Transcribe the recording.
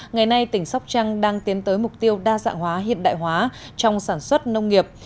ngày nay tỉnh sóc trăng đang tiến tới mục tiêu đa dạng hóa hiện đại hóa trong sản xuất nông nghiệp